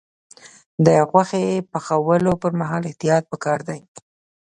د غوښې پخولو پر مهال احتیاط پکار دی.